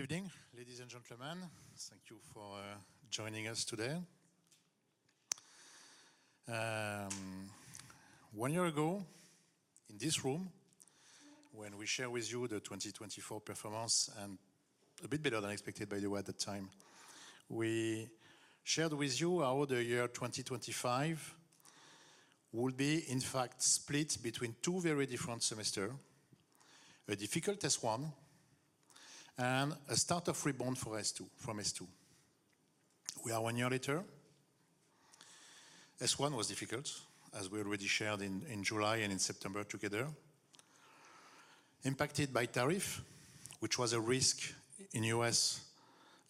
Good evening, ladies and gentlemen. Thank you for joining us today. One year ago in this room, when we shared with you the 2024 performance, a bit better than expected, by the way, at the time. We shared with you how the year 2025 would be, in fact, split between two very different semesters. A difficult S1, a start of rebound from S2. We are one year later. S1 was difficult, as we already shared in July and in September together. Impacted by tariff, which was a risk in the U.S.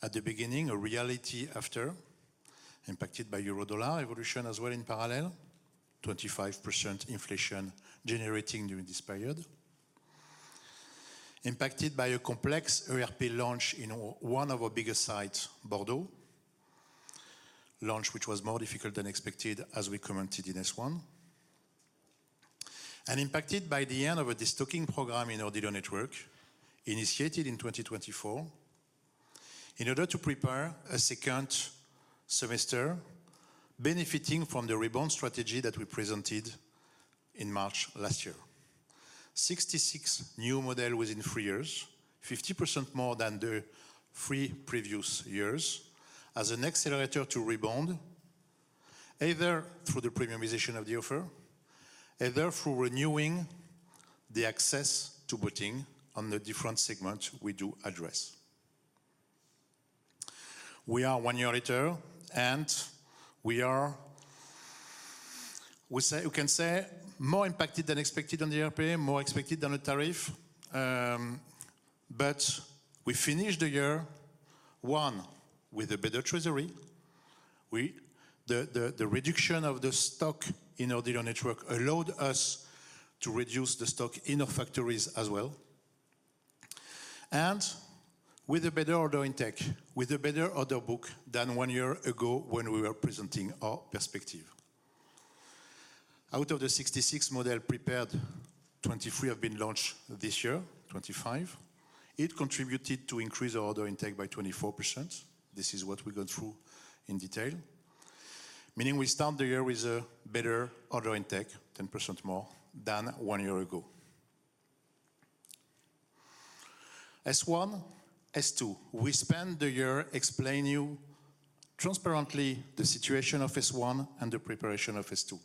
at the beginning, a reality after. Impacted by euro-dollar evolution as well in parallel, 25% inflation generating during this period. Impacted by a complex ERP launch in one of our biggest sites, Bordeaux. Launch which was more difficult than expected, as we commented in S1. Impacted by the end of a de-stocking program in our dealer network, initiated in 2024, in order to prepare a second semester benefiting from the rebound strategy that we presented in March last year. 66 new models within three years, 50% more than the three previous years as an accelerator to rebound, either through the premiumization of the offer, either through renewing the access to boating on the different segments we do address. We are one year later, we can say more impacted than expected on the ERP, more expected than the tariff. We finished the year, one, with a better treasury. The reduction of the stock in our dealer network allowed us to reduce the stock in our factories as well. With a better order intake, with a better order book than one year ago when we were presenting our perspective. Out of the 66 models prepared, 23 have been launched this year, 2025. It contributed to increase our order intake by 24%. This is what we went through in detail. Meaning we start the year with a better order intake, 10% more than one year ago. S1, S2. We spent the year explaining to you transparently the situation of S1 and the preparation of S2.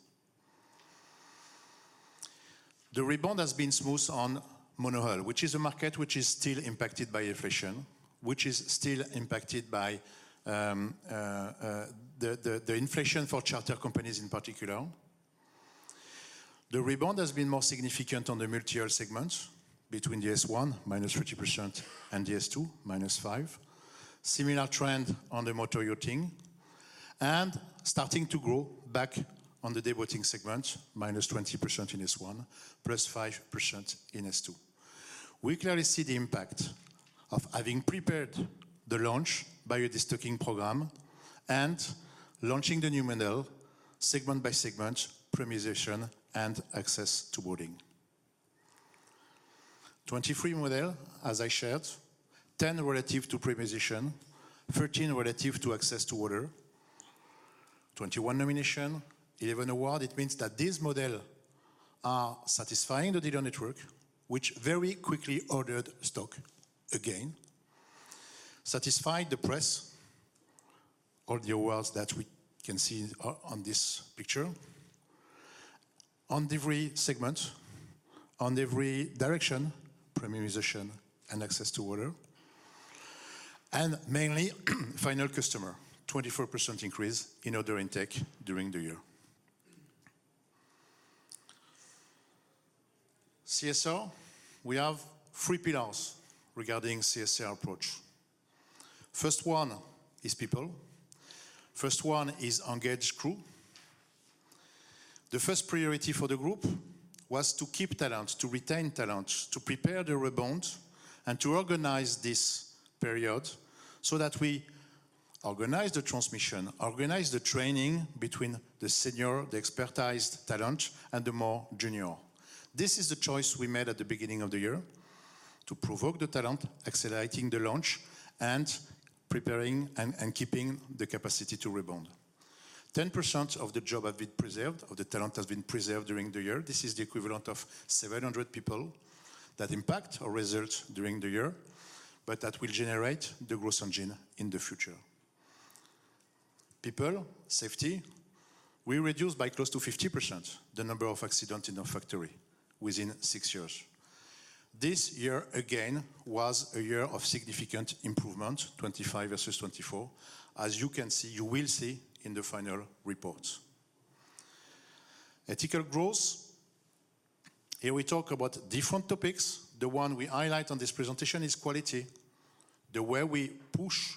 The rebound has been smooth on Monohull, which is a market which is still impacted by inflation, which is still impacted by the inflation for charter companies in particular. The rebound has been more significant on the multihull segment between the S1, -50%, and the S2, -5%. Similar trend on the motor yachting. Starting to grow back on the day boating segment, -20% in S1, +5% in S2. We clearly see the impact of having prepared the launch by a de-stocking program and launching the new model segment by segment, premiumization, and access to boating. 23 models, as I shared, 10 relative to premiumization, 13 relative to access to water. 21 nominations, 11 awards. It means that these models are satisfying the dealer network, which very quickly ordered stock again. Satisfying the press. All the awards that we can see on this picture. On every segment, on every direction, premiumization, and access to water. Mainly final customer, 24% increase in order intake during the year. CSR, we have three pillars regarding CSR approach. First one is people. First one is engaged crew. The first priority for the group was to keep talent, to retain talent, to prepare the rebound, and to organize this period so that we organize the transmission, organize the training between the senior, the expertised talent, and the more junior. This is the choice we made at the beginning of the year to provoke the talent, accelerating the launch, and preparing and keeping the capacity to rebound. 10% of the job has been preserved, or the talent has been preserved during the year. This is the equivalent of 700 people that impact our results during the year, but that will generate the growth engine in the future. People safety. We reduced by close to 50% the number of accidents in our factory within six years. This year, again, was a year of significant improvement, 2025 versus 2024, as you will see in the final report. Ethical growth. We talk about different topics. The one we highlight on this presentation is quality. The way we push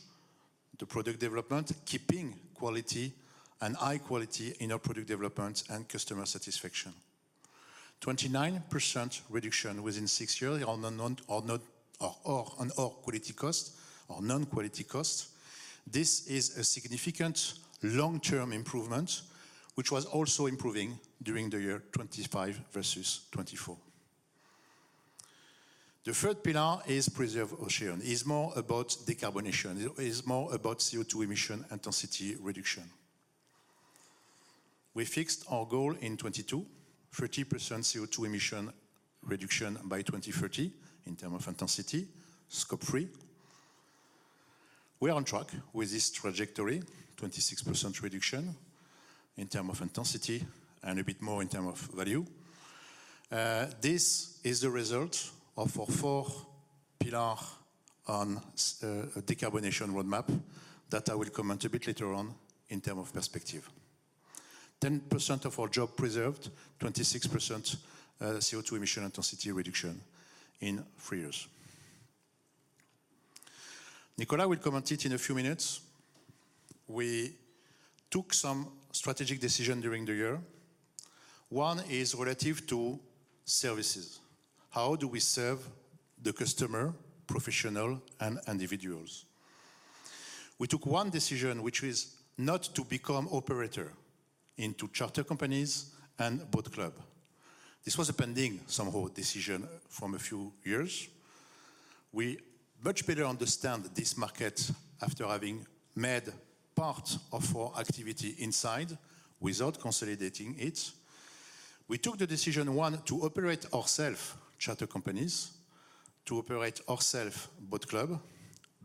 the product development, keeping quality and high quality in our product development and customer satisfaction. 29% reduction within six years on all quality costs or non-quality costs. This is a significant long-term improvement, which was also improving during the year 2025 versus 2024. The third pillar is Preserve Ocean. It's more about decarbonization. It's more about CO2 emission intensity reduction. We fixed our goal in 2022, 30% CO2 emission reduction by 2030 in terms of intensity, Scope 3. We are on track with this trajectory, 26% reduction in terms of intensity and a bit more in terms of value. This is the result of our four pillar on decarbonization roadmap that I will comment a bit later on in terms of perspective. 10% of our job preserved, 26% CO2 emission intensity reduction in three years. Nicolas will comment it in a few minutes. We took some strategic decisions during the year. One is relative to services. How do we serve the customer, professional, and individuals? We took one decision, which was not to become operator into charter companies and boat club. This was a pending decision from a few years. We much better understand this market after having made part of our activity inside without consolidating it. We took the decision, one, to operate ourselves charter companies, to operate ourselves boat club,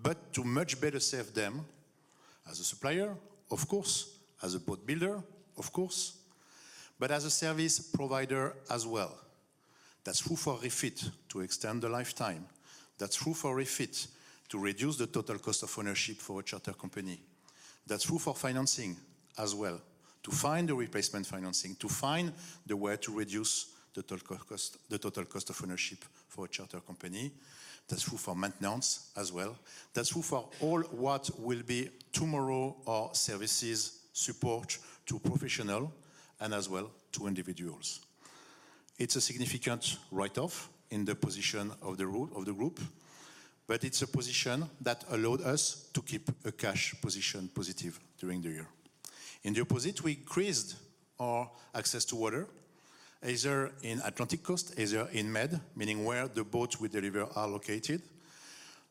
but to much better serve them as a supplier, of course, as a boat builder, of course, but as a service provider as well. That's true for refit to extend the lifetime. That's true for refit to reduce the total cost of ownership for a charter company. That's true for financing as well, to find the replacement financing, to find the way to reduce the total cost of ownership for a charter company. That's true for maintenance as well. That's true for all what will be tomorrow our services support to professional and as well to individuals. It's a significant write-off in the position of the group, but it's a position that allowed us to keep a cash position positive during the year. In the opposite, we increased our access to water, either in Atlantic Coast, either in Med, meaning where the boats we deliver are located,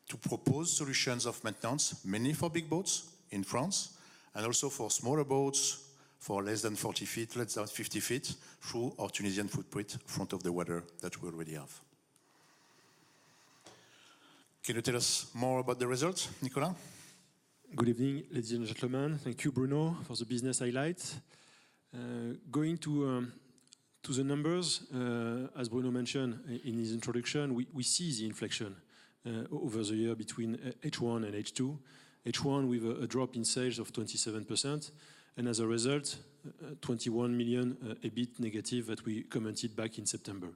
to propose solutions of maintenance, mainly for big boats in France and also for smaller boats for less than 40 feet, let's say 50 feet, through our Tunisian footprint front of the water that we already have. Can you tell us more about the results, Nicolas? Good evening, ladies and gentlemen. Thank you, Bruno, for the business highlights. Going to the numbers, as Bruno mentioned in his introduction, we see the inflection over the year between H1 and H2. H1 with a drop in sales of 27%, and as a result, 21 million, a bit negative that we commented back in September.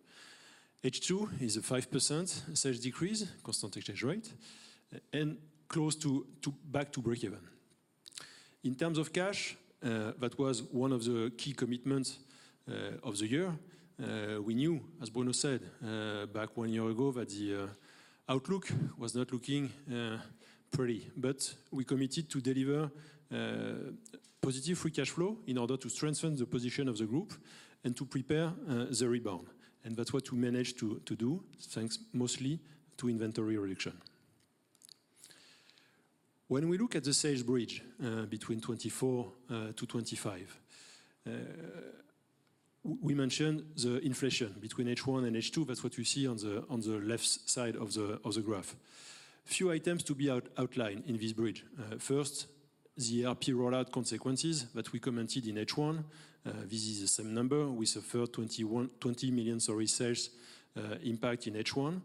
H2 is a 5% sales decrease, constant exchange rate, and close to back to breakeven. In terms of cash, that was one of the key commitments of the year. We knew, as Bruno said, back one year ago, that the outlook was not looking pretty. We committed to deliver positive free cash flow in order to strengthen the position of the group and to prepare the rebound. That's what we managed to do, thanks mostly to inventory reduction. When we look at the sales bridge between 2024 to 2025, we mentioned the inflation between H1 and H2. That's what you see on the left side of the graph. Few items to be outlined in this bridge. First, the ERP rollout consequences that we commented in H1. This is the same number. We suffered 20 million sales impact in H1.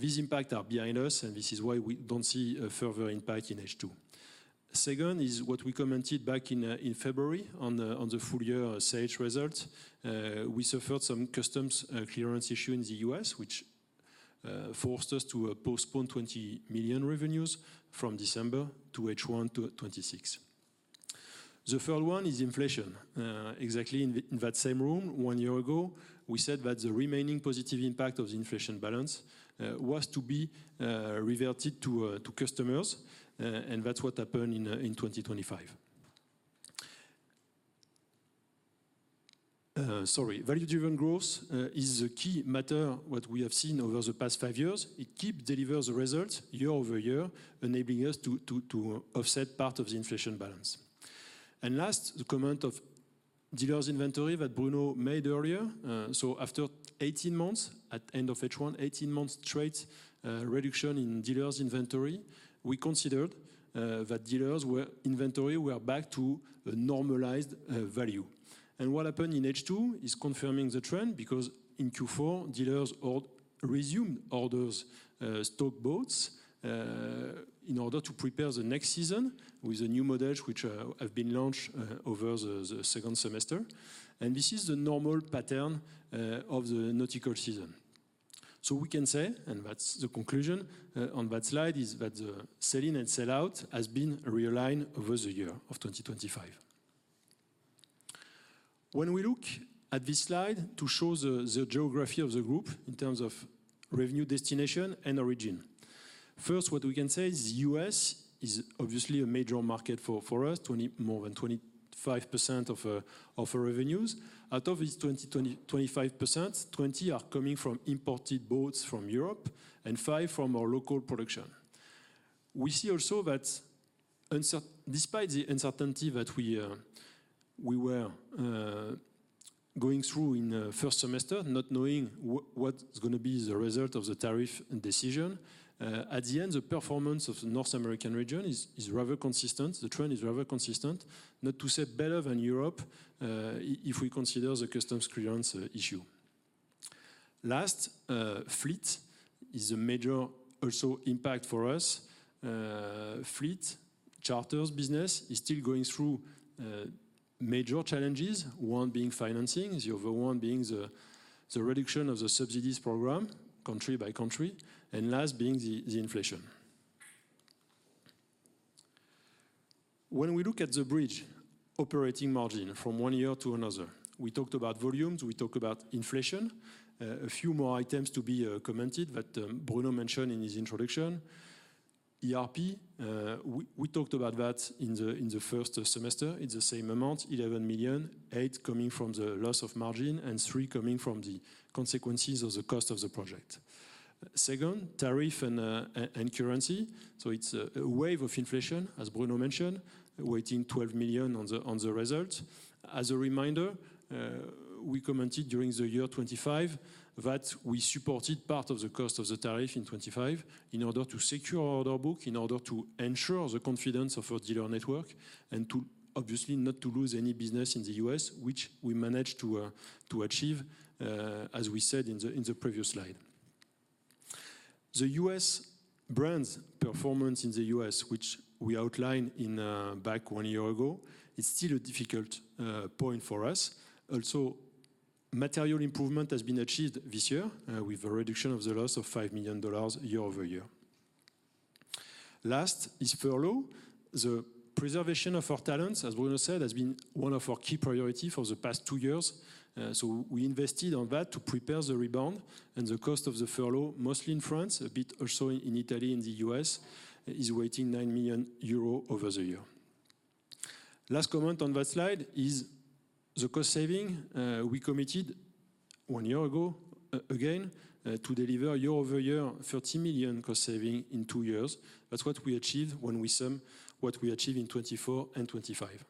This impact are behind us, and this is why we don't see a further impact in H2. Second is what we commented back in February on the full-year sales results. We suffered some customs clearance issue in the U.S., which forced us to postpone 20 million revenues from December to H1 to 2026. The third one is inflation. Exactly in that same room one year ago, we said that the remaining positive impact of the inflation balance was to be reverted to customers, and that's what happened in 2025. Sorry. Value-driven growth is a key matter what we have seen over the past five years. It keep delivers results year-over-year, enabling us to offset part of the inflation balance. Last, the comment of dealers inventory that Bruno made earlier. After 18 months at end of H1, 18 months straight reduction in dealers inventory, we considered that dealers inventory were back to a normalized value. What happened in H2 is confirming the trend because in Q4, dealers resumed orders stock boats in order to prepare the next season with the new models which have been launched over the second semester. This is the normal pattern of the nautical season. We can say, and that's the conclusion on that slide, is that the sell-in and sell-out has been realigned over the year of 2025. When we look at this slide to show the geography of the group in terms of revenue destination and origin. First, what we can say is U.S. is obviously a major market for us, more than 25% of our revenues. Out of this 25%, 20% are coming from imported boats from Europe and 5% from our local production. We see also that despite the uncertainty that we were going through in the first semester, not knowing what is going to be the result of the tariff and decision. At the end, the performance of the North American region is rather consistent. The trend is rather consistent, not to say better than Europe, if we consider the customs clearance issue. Last, fleet is a major also impact for us. Fleet charters business is still going through major challenges, one being financing, the other one being the reduction of the subsidies program country by country, and last being the inflation. When we look at the bridge operating margin from one year to another, we talked about volumes, we talked about inflation. A few more items to be commented that Bruno mentioned in his introduction. ERP, we talked about that in the first semester. It's the same amount, 11 million, eight coming from the loss of margin, and three coming from the consequences of the cost of the project. Second, tariff and currency. It's a wave of inflation, as Bruno mentioned, weighing 12 million on the result. As a reminder, we commented during the year 2025 that we supported part of the cost of the tariff in 2025 in order to secure our order book, in order to ensure the confidence of our dealer network, and to obviously not to lose any business in the U.S., which we managed to achieve, as we said in the previous slide. The U.S. brands performance in the U.S., which we outlined back one year ago, is still a difficult point for us. Material improvement has been achieved this year with a reduction of the loss of $5 million year-over-year. Last is furlough. The preservation of our talents, as Bruno said, has been one of our key priority for the past two years. We invested on that to prepare the rebound and the cost of the furlough, mostly in France, a bit also in Italy and the U.S., is weighing 9 million euro over the year. Last comment on that slide is the cost saving. We committed one year ago, again, to deliver year-over-year, 30 million cost saving in two years. That's what we achieved when we sum what we achieved in 2024 and 2025.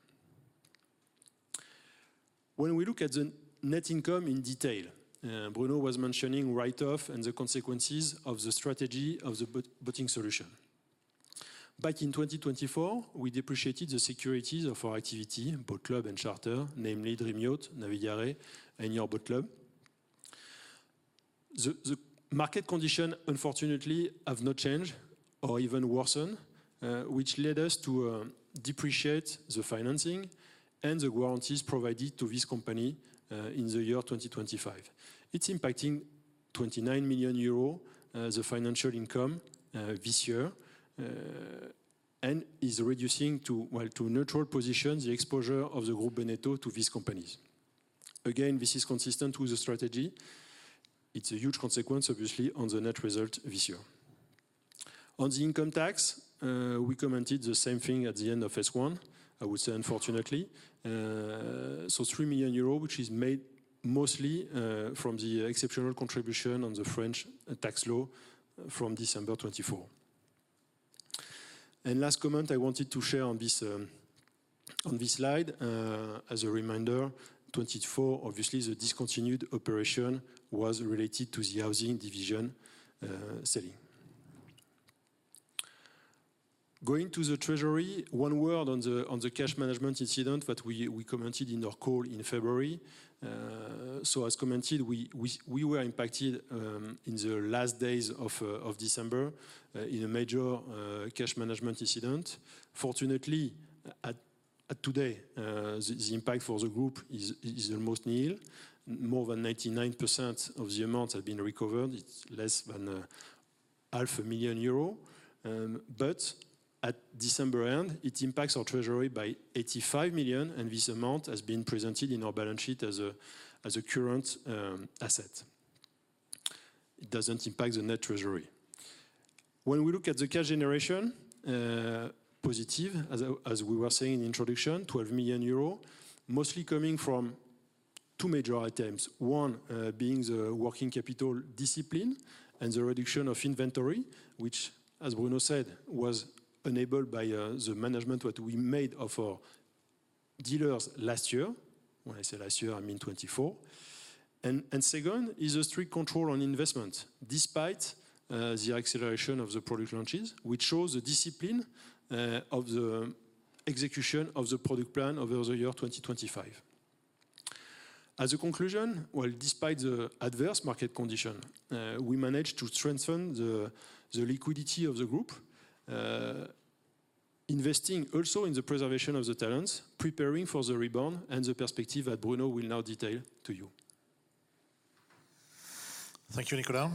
When we look at the net income in detail, Bruno was mentioning write-off and the consequences of the strategy of the boating solution. Back in 2024, we depreciated the securities of our activity, boat club and charter, namely Dream Yacht, Navigare, and Your Boat Club. The market condition, unfortunately, have not changed or even worsened, which led us to depreciate the financing and the warranties provided to this company in the year 2025. It's impacting 29 million euros, the financial income this year, and is reducing to neutral position the exposure of the Groupe Bénéteau to these companies. Again, this is consistent with the strategy. It's a huge consequence, obviously, on the net result this year. On the income tax, we commented the same thing at the end of S1, I would say, unfortunately. 3 million euro, which is made mostly from the exceptional contribution on the French tax law from December 2024. Last comment I wanted to share on this slide, as a reminder, 2024, obviously, the discontinued operation was related to the housing division selling. Going to the treasury, one word on the cash management incident that we commented in our call in February. As commented, we were impacted in the last days of December in a major cash management incident. Fortunately, at today, the impact for the group is almost nil. More than 99% of the amount has been recovered. It's less than half a million EUR. But at December-end, it impacts our treasury by 85 million, and this amount has been presented in our balance sheet as a current asset. It doesn't impact the net treasury. When we look at the cash generation, positive, as we were saying in the introduction, 12 million euros, mostly coming from two major items. One being the working capital discipline and the reduction of inventory, which as Bruno said, was enabled by the management what we made of our dealers last year. When I say last year, I mean 2024. Second is a strict control on investment, despite the acceleration of the product launches, which shows the discipline of the execution of the product plan over the year 2025. As a conclusion, while despite the adverse market condition, we managed to strengthen the liquidity of the group, investing also in the preservation of the talents, preparing for the rebound and the perspective that Bruno will now detail to you. Thank you, Nicolas.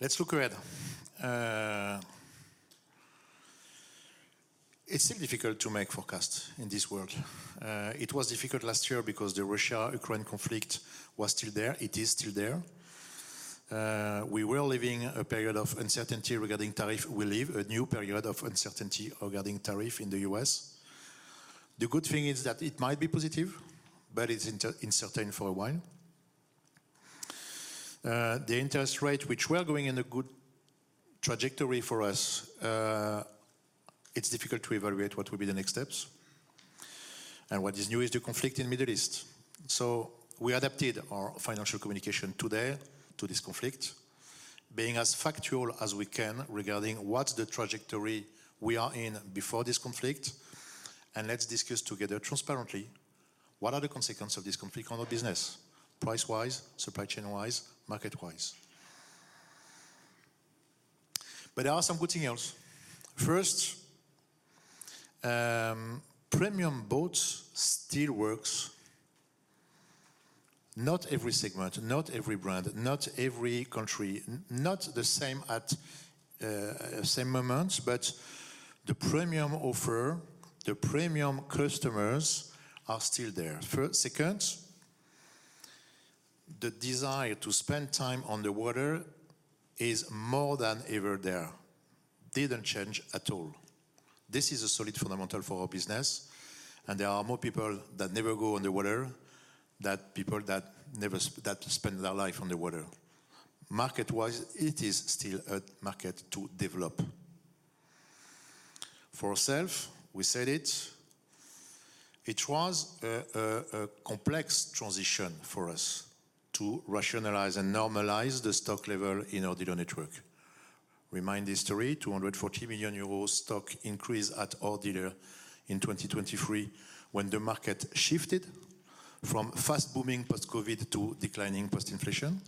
Let's look ahead. It's still difficult to make forecasts in this world. It was difficult last year because the Russia-Ukraine conflict was still there. It is still there. We were living a period of uncertainty regarding tariff. We live a new period of uncertainty regarding tariff in the U.S. The good thing is that it might be positive, but it's uncertain for a while. The interest rate, which were going in a good trajectory for us, it's difficult to evaluate what will be the next steps. What is new is the conflict in Middle East. We adapted our financial communication today to this conflict, being as factual as we can regarding what's the trajectory we are in before this conflict, and let's discuss together transparently what are the consequences of this conflict on our business price-wise, supply chain-wise, market-wise. There are some good things else. First, premium boats still works. Not every segment, not every brand, not every country, not the same at same moment, but the premium offer, the premium customers are still there. Second, the desire to spend time on the water is more than ever there. Didn't change at all. This is a solid fundamental for our business, and there are more people that never go on the water than people that spend their life on the water. Market-wise, it is still a market to develop. For ourself, we said it. It was a complex transition for us to rationalize and normalize the stock level in our dealer network. Remind the story, 240 million euros stock increase at our dealer in 2023 when the market shifted from fast-booming post-COVID to declining post-inflation.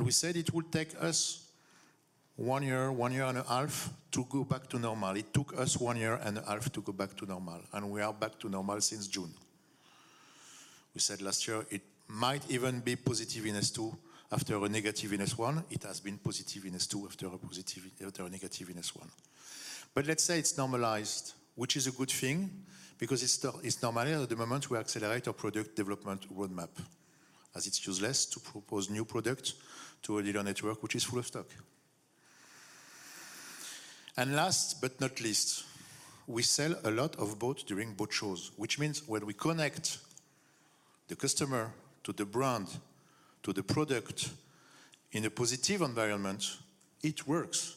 We said it would take us one year, one year and a half to go back to normal. It took us one year and a half to go back to normal, and we are back to normal since June. We said last year it might even be positive in S2 after a negative in S1. It has been positive in S2 after a negative in S1. But let's say it's normalized, which is a good thing because it's normal at the moment we accelerate our product development roadmap, as it's useless to propose new product to a dealer network which is full of stock. Last but not least, we sell a lot of boat during boat shows, which means when we connect the customer to the brand, to the product in a positive environment, it works.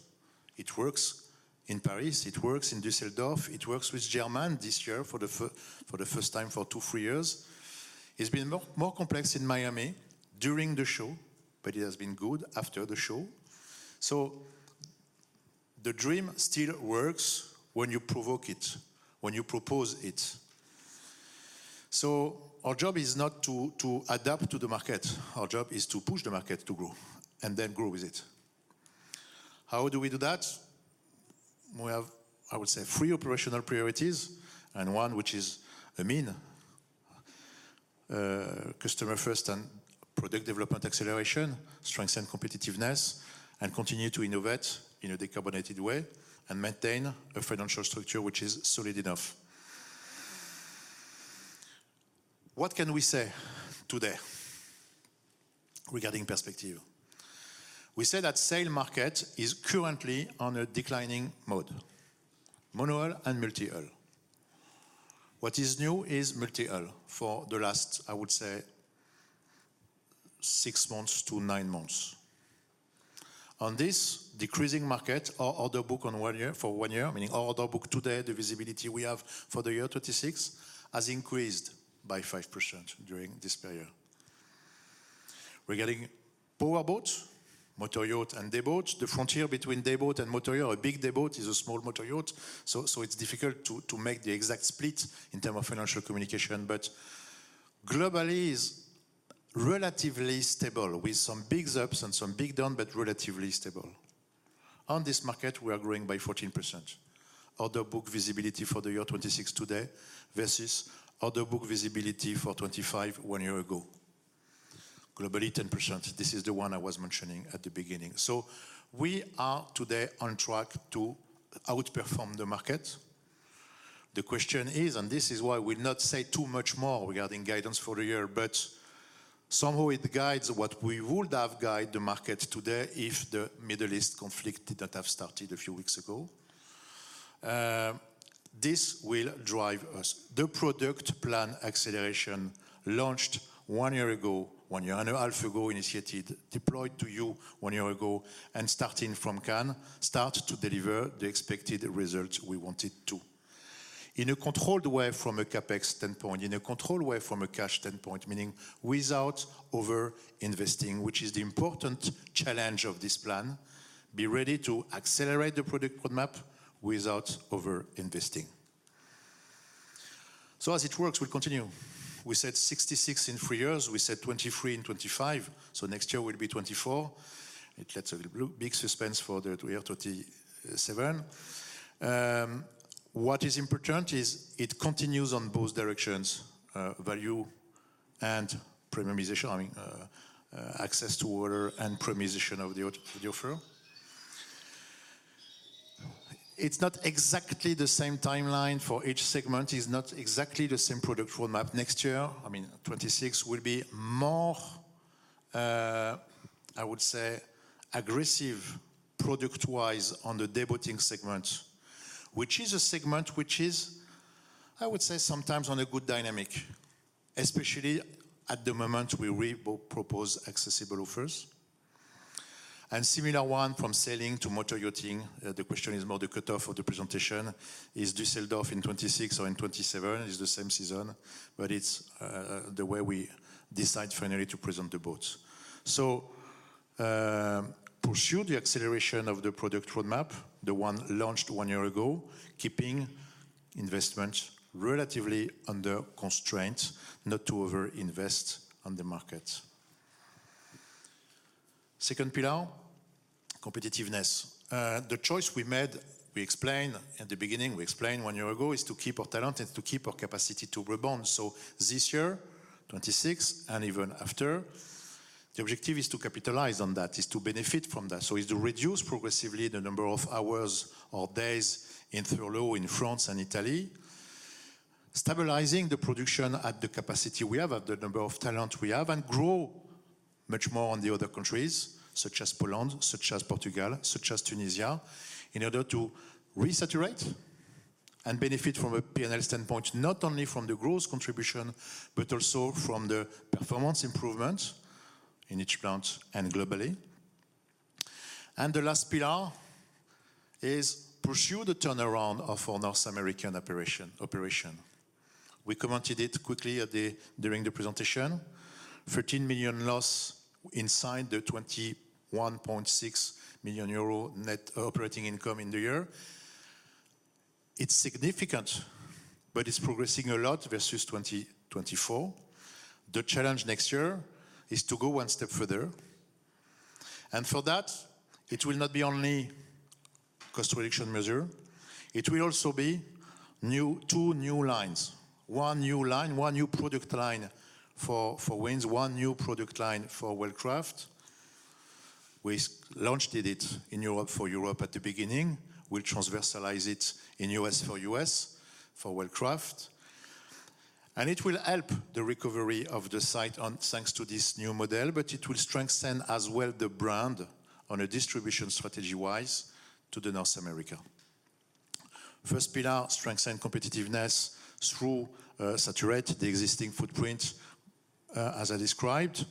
It works in Paris. It works in Düsseldorf. It works with German this year for the first time for two, three years. It's been more complex in Miami during the show, but it has been good after the show. The dream still works when you provoke it, when you propose it. Our job is not to adapt to the market. Our job is to push the market to grow and then grow with it. How do we do that? We have, I would say, three operational priorities, and one which is a mean. Customer first and product development acceleration, strengthen competitiveness, and continue to innovate in a decarbonated way and maintain a financial structure which is solid enough. What can we say today regarding perspective? We say that sail market is currently on a declining mode, monohull and multihull. What is new is multihull for the last, I would say, six months to nine months. On this decreasing market, our order book on one year, for one year, meaning our order book today, the visibility we have for the year 2026, has increased by 5% during this period. Regarding powerboat, motor yacht, and dayboat, the frontier between dayboat and motor yacht, a big dayboat is a small motor yacht, so it's difficult to make the exact split in term of financial communication. But globally is relatively stable with some big ups and some big down, but relatively stable. On this market, we are growing by 14%. Order book visibility for the year 2026 today versus order book visibility for 2025 one year ago. Globally, 10%. This is the one I was mentioning at the beginning. We are today on track to outperform the market. The question is, this is why we'll not say too much more regarding guidance for the year, but somehow it guides what we would have guide the market today if the Middle East conflict did not have started a few weeks ago. This will drive us. The product plan acceleration launched one year ago, one year and a half ago, initiated, deployed to you one year ago and starting from Cannes, start to deliver the expected results we want it to. In a controlled way from a CapEx standpoint, in a controlled way from a cash standpoint, meaning without over-investing, which is the important challenge of this plan, be ready to accelerate the product roadmap without over-investing. As it works, we'll continue. We said 66 in three years. We said 23 in 2025, so next year will be 24. It lets a big suspense for the year 2027. What is important is it continues on both directions, value and premiumization, access to water and premiumization of the offer. It's not exactly the same timeline for each segment. It's not exactly the same product roadmap next year. 2026 will be more, I would say, aggressive product-wise on the day boating segment, which is a segment which is, I would say, sometimes on a good dynamic, especially at the moment we re-propose accessible offers. Similar one from sailing to motor yachting. The question is more the cutoff of the presentation. Is Düsseldorf in 2026 or in 2027? It's the same season, but it's the way we decide finally to present the boats. Pursue the acceleration of the product roadmap, the one launched one year ago, keeping investment relatively under constraint, not to over-invest on the market. Second pillar, competitiveness. The choice we made, we explained at the beginning, we explained one year ago, is to keep our talent and to keep our capacity to rebound. This year, 2026, and even after, the objective is to capitalize on that, is to benefit from that. Is to reduce progressively the number of hours or days in Therouanne in France and Italy, stabilizing the production at the capacity we have, at the number of talent we have, and grow much more on the other countries such as Poland, such as Portugal, such as Tunisia, in order to re-saturate and benefit from a P&L standpoint, not only from the growth contribution, but also from the performance improvement in each plant and globally. The last pillar is pursue the turnaround of our North American operation. We commented it quickly during the presentation. 13 million loss inside the 21.6 million euro net operating income in the year. It's significant, but it's progressing a lot versus 2024. The challenge next year is to go one step further. For that, it will not be only cost-reduction measure. It will also be two new lines. One new line, one new product line for Four Winns, one new product line for Wellcraft. We launched it in Europe for Europe at the beginning. We'll transversalize it in U.S. for U.S. for Wellcraft. It will help the recovery of the site thanks to this new model, but it will strengthen as well the brand on a distribution strategy-wise to North America. First pillar, strengthen competitiveness through saturate the existing footprint, as I described.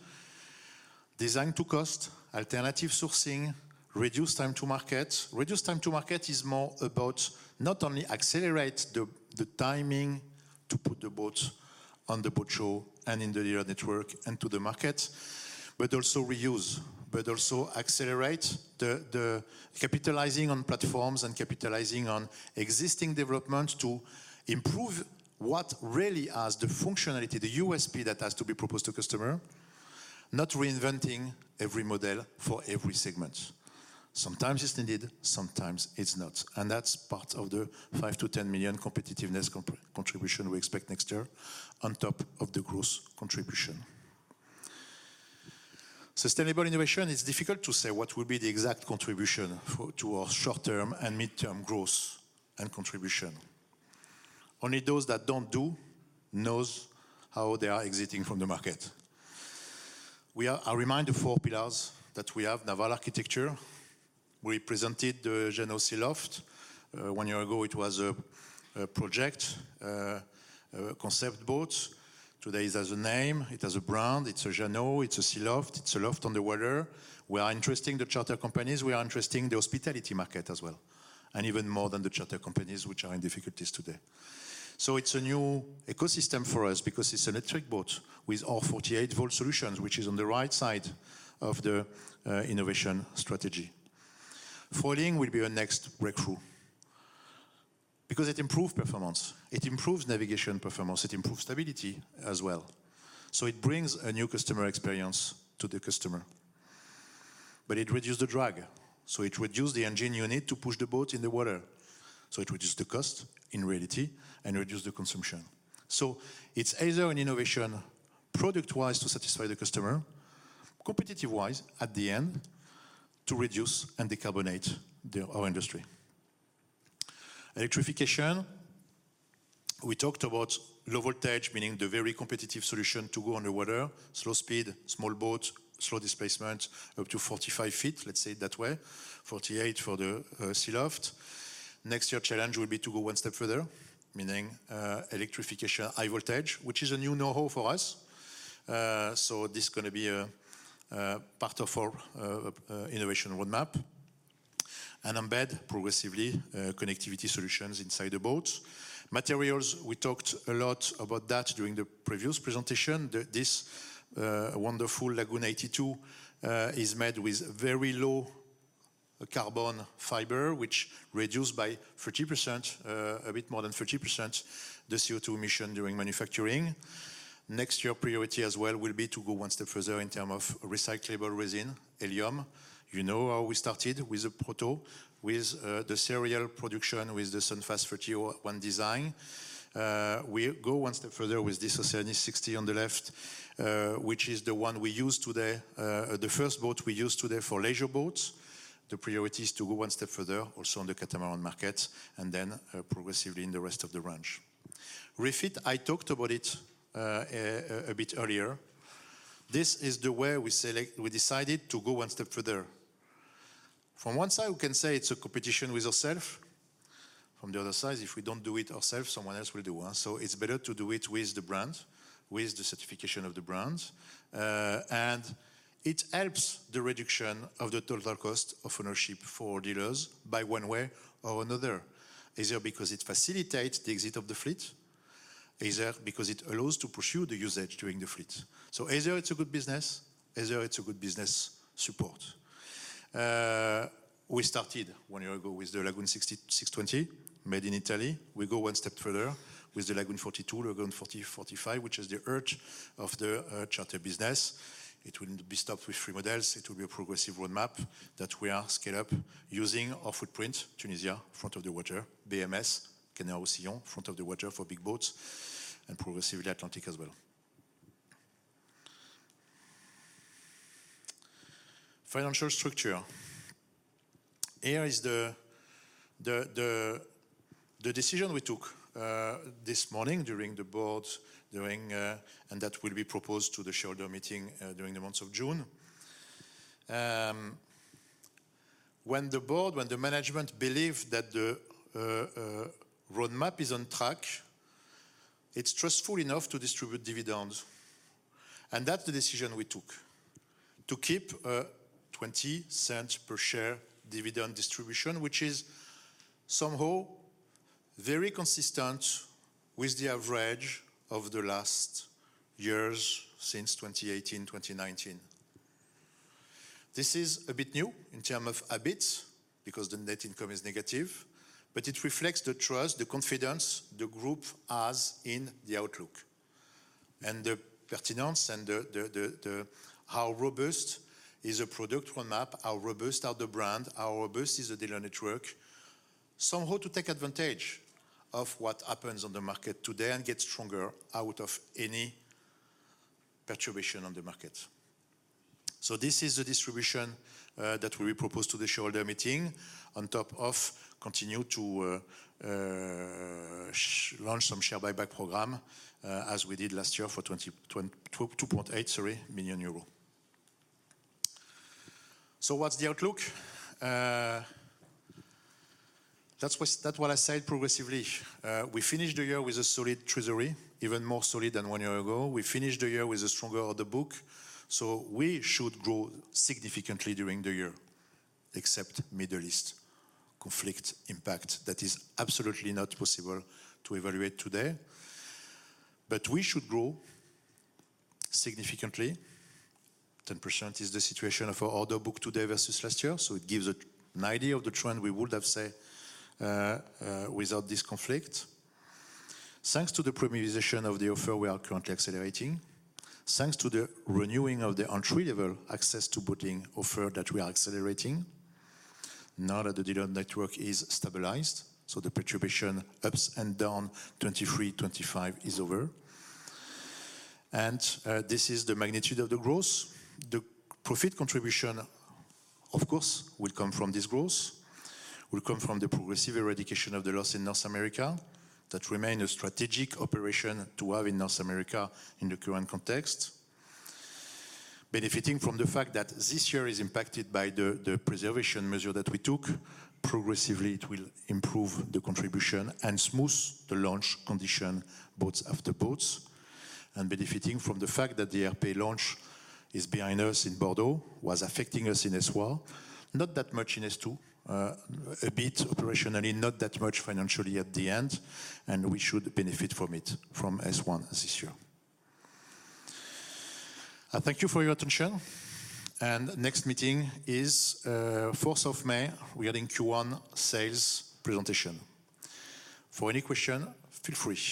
Design-to-cost, alternative sourcing, reduce time to market. Reduce time to market is more about not only accelerate the timing to put the boat on the boat show and in the dealer network and to the market, but also reuse, but also accelerate the capitalizing on platforms and capitalizing on existing development to improve what really has the functionality, the USP that has to be proposed to customer, not reinventing every model for every segment. Sometimes it's needed, sometimes it's not. That's part of the 5 million-10 million competitiveness contribution we expect next year on top of the growth contribution. Sustainable innovation, it's difficult to say what will be the exact contribution to our short-term and mid-term growth and contribution. Only those that don't do knows how they are exiting from the market. I remind the four pillars that we have. Naval architecture. We presented the Jeanneau Sea Loft. One year ago, it was a project, a concept boat. Today, it has a name. It has a brand. It's a Jeanneau. It's a Sea Loft. It's a loft on the water. We are interesting the charter companies. We are interesting the hospitality market as well, and even more than the charter companies, which are in difficulties today. It's a new ecosystem for us because it's electric boat with our 48-volt solutions, which is on the right side of the innovation strategy. Foiling will be our next breakthrough because it improve performance. It improves navigation performance. It improves stability as well. It brings a new customer experience to the customer. It reduce the drag. It reduce the engine you need to push the boat in the water. It reduce the cost in reality and reduce the consumption. It's either an innovation product-wise to satisfy the customer, competitive-wise at the end to reduce and decarbonate our industry. Electrification, we talked about low voltage, meaning the very competitive solution to go on the water, slow speed, small boat, slow displacement, up to 45 feet, let's say it that way, 48 for the Sea Loft. Next year challenge will be to go one step further, meaning electrification high voltage, which is a new know-how for us. This is going to be a part of our innovation roadmap. Embed progressively connectivity solutions inside the boats. Materials, we talked a lot about that during the previous presentation. This wonderful Lagoon 82 is made with the carbon fiber, which reduced by a bit more than 30%, the CO2 emission during manufacturing. Next year priority as well will be to go one step further in terms of recyclable resin, Elium. You know how we started with a proto, with the serial production, with the Sun Fast 30 One Design. We go one step further with this Oceanis 60 on the left, which is the first boat we use today for leisure boats. The priority is to go one step further also on the catamaran market and then progressively in the rest of the range. Refit, I talked about it a bit earlier. This is the way we decided to go one step further. From one side, we can say it's a competition with ourself. From the other side, if we don't do it ourself, someone else will do. It's better to do it with the brand, with the certification of the brand. It helps the reduction of the total cost of ownership for dealers by one way or another. Either because it facilitates the exit of the fleet, either because it allows to pursue the usage during the fleet. Either it's a good business, either it's a good business support. We started one year ago with the Lagoon 620 made in Italy. We go one step further with the Lagoon 42, Lagoon 45, which is the heart of the charter business. It will be stopped with 3 models. It will be a progressive roadmap that we are scale up using our footprint, Tunisia, front of the water, BMS, Canet-en-Roussillon, front of the water for big boats, and progressively Atlantic as well. Financial structure. Here is the decision we took this morning during the board, that will be proposed to the shareholder meeting during the month of June. When the board, when the management believe that the roadmap is on track, it's trustful enough to distribute dividends. That's the decision we took. To keep a 0.20 per share dividend distribution, which is somehow very consistent with the average of the last years since 2018, 2019. This is a bit new in terms of EBIT because the net income is negative, it reflects the trust, the confidence the group has in the outlook and the pertinence and how robust is the product roadmap, how robust are the brands, how robust is the dealer network. To take advantage of what happens on the market today and get stronger out of any perturbation on the market. This is the distribution that will be proposed to the shareholder meeting on top of continuing to launch some share buyback program, as we did last year for 2.8 million euros. What's the outlook? That is what I said progressively. We finished the year with a solid treasury, even more solid than one year ago. We finished the year with a stronger order book, we should grow significantly during the year, except Middle East conflict impact that is absolutely not possible to evaluate today. We should grow significantly. 10% is the situation of our order book today versus last year, it gives an idea of the trend we would have, say, without this conflict. Thanks to the premiumization of the offer we are currently accelerating. Thanks to the renewing of the entry-level access to boating offer that we are accelerating. Now that the dealer network is stabilized, the perturbation ups and downs 2023, 2025 is over. This is the magnitude of the growth. The profit contribution, of course, will come from this growth, will come from the progressive eradication of the loss in North America that remains a strategic operation to have in North America in the current context. Benefiting from the fact that this year is impacted by the preservation measure that we took. Progressively, it will improve the contribution and smooth the launch conditions boat after boat. Benefiting from the fact that the ERP launch is behind us in Bordeaux, was affecting us in S1, not that much in S2. A bit operationally, not that much financially at the end, we should benefit from it from S1 this year. I thank you for your attention. Next meeting is 4th of May regarding Q1 sales presentation. For any question, feel free.